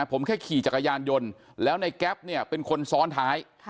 ผมแค่ขี่จักรยานยนต์แล้วในแก๊ปเนี่ยเป็นคนซ้อนท้าย